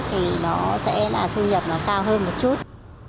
thế là thu nhập nó cao hơn một chút